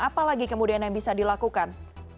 apalagi kemudian yang bisa dilakukan